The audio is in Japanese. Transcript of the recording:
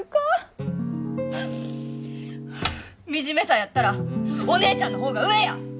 はあ惨めさやったらお姉ちゃんの方が上や！